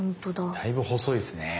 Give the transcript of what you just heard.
だいぶ細いっすね。